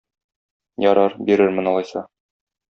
Ярар, бирермен алайса.